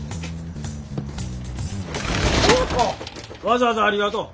わざわざありがとう。